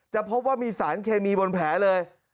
พบว่ามีสารเคมีบนแผลเลย